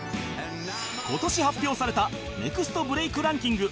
今年発表されたネクストブレイクランキング